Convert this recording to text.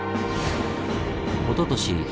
おととし